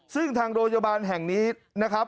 ซึ่งทางโรงพยาบาลแห่งนี้นะครับ